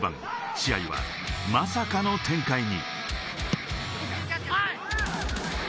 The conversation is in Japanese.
試合はまさかの展開に。